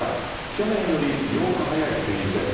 去年より８日早い梅雨入りです。